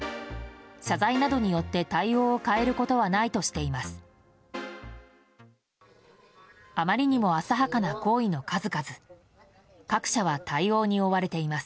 謝罪などによって対応を変えることはないとしています。